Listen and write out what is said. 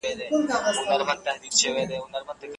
د سیاسي ګټو لپاره تاریخ مه خرابوئ.